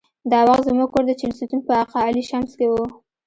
دا وخت زموږ کور د چهلستون په اقا علي شمس کې و.